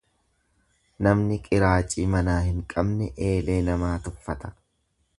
Namni qiraacii manaa hin qabne eelee namaa tuffata.